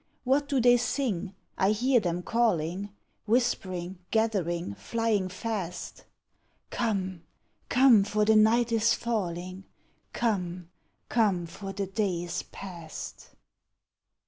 What do they sing? I hear them calling, Whispering, gathering, flying fast, 'Come, come, for the night is falling; Come, come, for the day is past!'